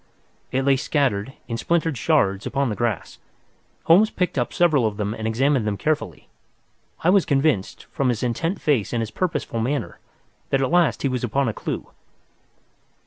It lay scattered, in splintered shards, upon the grass. Holmes picked up several of them and examined them carefully. I was convinced, from his intent face and his purposeful manner, that at last he was upon a clue.